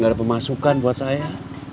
gak ada pemasukan buat saya